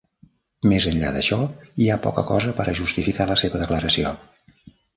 Més enllà d'això, hi ha poca cosa per a justificar la seva declaració.